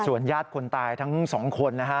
ญาติคนตายทั้งสองคนนะฮะ